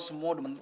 saya mau pergi